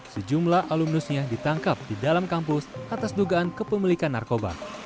sejumlah alumnusnya ditangkap di dalam kampus atas dugaan kepemilikan narkoba